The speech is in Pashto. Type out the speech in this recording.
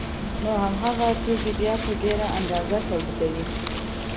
نو هماغه توکي بیا په ډېره اندازه تولیدوي